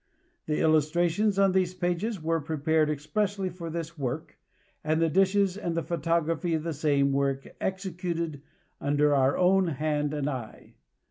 The illustrations on these pages were prepared expressly for this work, and the dishes and the photographs of the same were executed under our own hand and eye.